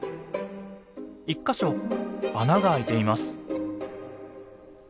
１か所穴があいています。